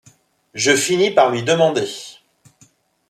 je finis par lui demander.